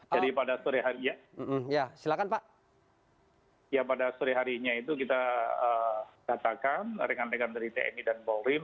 jadi pada sore harinya kita datakan rekan rekan dari tni dan polri